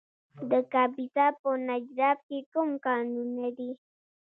د کاپیسا په نجراب کې کوم کانونه دي؟